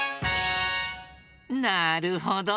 なるほど！